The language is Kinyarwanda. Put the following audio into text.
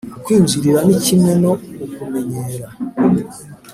kukwinjirira ni kimwe no kukumenyera